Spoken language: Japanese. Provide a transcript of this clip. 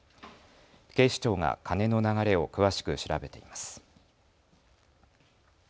警視庁が金の流れを詳しく調べています。